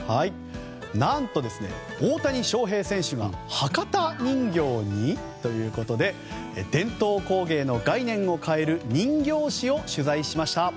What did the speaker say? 何と大谷翔平選手が博多人形に？ということで伝統工芸の概念を変える人形師を取材しました。